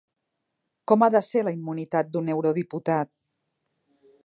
Com ha de ser la immunitat d'un eurodiputat?